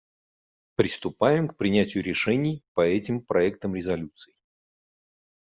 Приступаем к принятию решений по этим проектам резолюций.